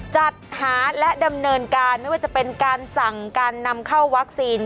จัดหาและดำเนินการไม่ว่าจะเป็นการสั่งการนำเข้าวัคซีน